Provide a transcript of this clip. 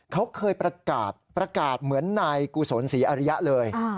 เขาเคยประกาศประกาศเหมือนนายกุศลศรีอริยะเลย